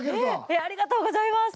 えっありがとうございます！